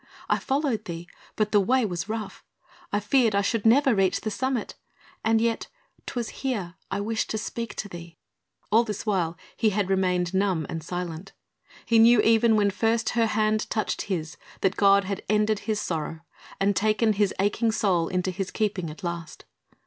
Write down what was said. I followed thee, but the way was rough.... I feared I should never reach the summit ... and yet 'twas here I wished to speak to thee." All this while he had remained numb and silent. He knew even when first her hand touched his that God had ended his sorrow and taken his aching soul into His keeping at last.